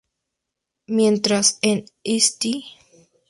Mientras en St.